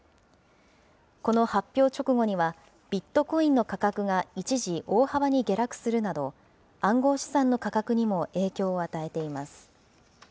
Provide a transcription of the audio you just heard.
この発表直後には、ビットコインの価格が一時大幅に下落するなど、暗号資産の価格にも影響を与えています。